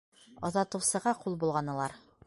Оҙатыусыға ҡул болғанылар.